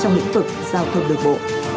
giải phục giao thông đường bộ